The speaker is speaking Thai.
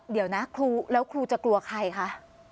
เดี๋ยวนะแล้วครูจะกลัวใครคะ